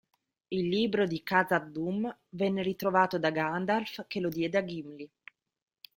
Il libro di Khazad-dûm venne ritrovato da Gandalf che lo diede a Gimli.